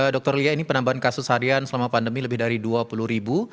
dr lia ini penambahan kasus harian selama pandemi lebih dari dua puluh ribu